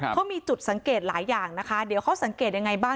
เขามีจุดสังเกตหลายอย่างนะคะเดี๋ยวเขาสังเกตยังไงบ้าง